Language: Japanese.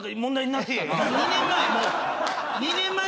２年前！